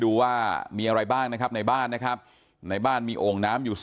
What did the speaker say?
ดูว่ามีอะไรบ้างนะครับในบ้านนะครับในบ้านมีโอ่งน้ำอยู่